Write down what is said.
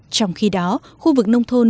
trong khi đó khu vực nông thôn